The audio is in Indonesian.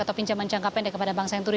atau pinjaman jangka pendek kepada bank senturi